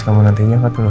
kamu nanti nyangkat dulu